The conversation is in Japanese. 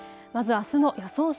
まずあすの予想